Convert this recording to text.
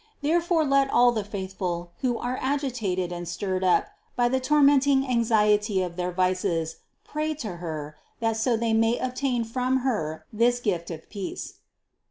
There fore let all the faithful, who are agitated and stirred up by the tormenting anxiety of their vices, pray to Her, that so they may obtain from Her this gift of peace.